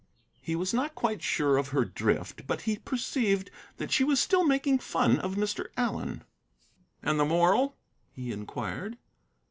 He was not quite sure of her drift, but he perceived that she was still making fun of Mr. Allen. "And the moral?" he inquired.